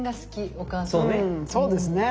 そうですね。